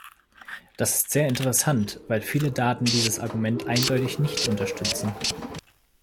Das ist sehr interessant, weil viele Daten dieses Argument eindeutig nicht unterstützen.